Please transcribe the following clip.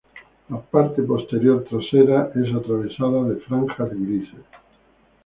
La parte posterior trasera es atravesada de franjas grises.